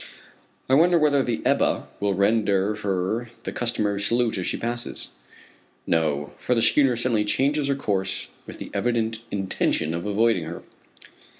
I wonder whether the Ebba will render her the customary salute as she passes. No; for the schooner suddenly changes her course with the evident intention of avoiding her.